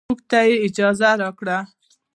موږ ته يې اجازه راکړه.